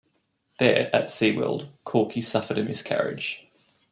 There, at SeaWorld, Corky suffered a miscarriage.